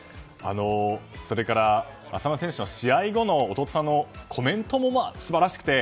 それから浅野選手の試合後のコメントも素晴らしくて。